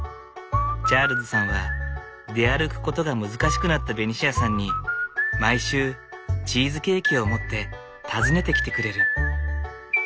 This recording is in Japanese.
チャールズさんは出歩くことが難しくなったベニシアさんに毎週チーズケーキを持って訪ねてきてくれる。